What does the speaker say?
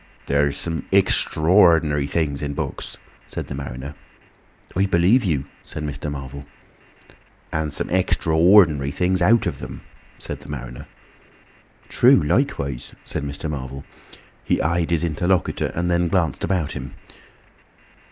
"There's some extra ordinary things in books," said the mariner. "I believe you," said Mr. Marvel. "And some extra ordinary things out of 'em," said the mariner. "True likewise," said Mr. Marvel. He eyed his interlocutor, and then glanced about him.